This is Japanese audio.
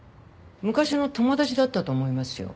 昔の友達だったと思いますよ。